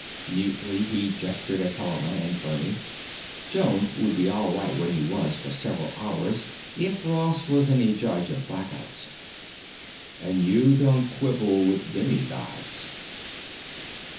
Mutely he gestured at Helena and Bernie. Jones would be all right where he was for several hours if Ross was any judge of blackouts. And you don't quibble with demigods.